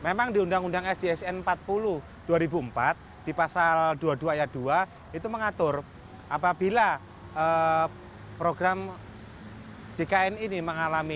memang di undang undang sjsn empat puluh dua ribu empat di pasal dua puluh dua ayat dua itu mengatur apabila program jkn ini mengalami